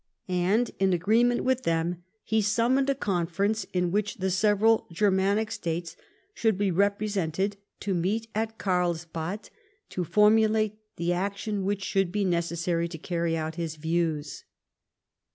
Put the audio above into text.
And, in agreement with them, he summoned a Conference, in which the several Germanic States should be represented, to meet at Carlsbad, to formulate the action which should be necessary to carry out his views.